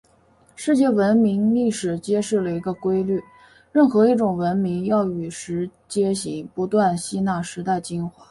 世界文明历史揭示了一个规律：任何一种文明都要与时偕行，不断吸纳时代精华。